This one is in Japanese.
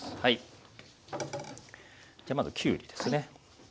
じゃあまずきゅうりですね。